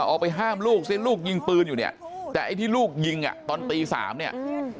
ออกไปห้ามลูกสิลูกยิงปืนอยู่เนี่ยแต่ไอ้ที่ลูกยิงอ่ะตอนตีสามเนี่ย